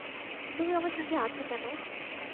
তুমি আমার সাথে আছ কেন?